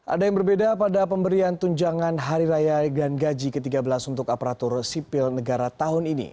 ada yang berbeda pada pemberian tunjangan hari raya dan gaji ke tiga belas untuk aparatur sipil negara tahun ini